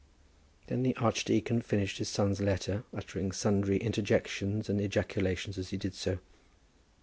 Then the archdeacon finished his son's letter, uttering sundry interjections and ejaculations as he did so.